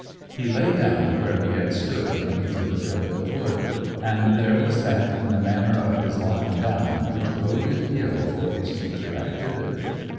He lay down where he had stood when he threw the billet of wood, and there was that in the manner of his lying down which boded ill for his future activity.